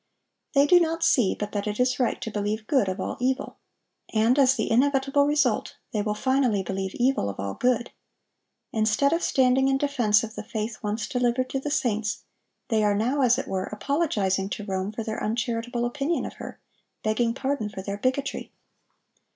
They do not see but that it is right to believe good of all evil; and as the inevitable result, they will finally believe evil of all good. Instead of standing in defense of the faith once delivered to the saints, they are now, as it were, apologizing to Rome for their uncharitable opinion of her, begging pardon for their bigotry.